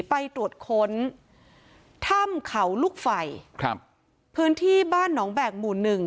ไปตรวจค้นถ้ำเขาลูกไฟครับพื้นที่บ้านหนองแบกหมู่หนึ่ง